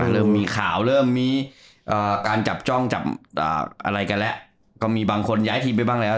เริ่มมีข่าวเริ่มมีการจับจ้องจับอะไรกันแล้วก็มีบางคนย้ายทีมไปบ้างแล้ว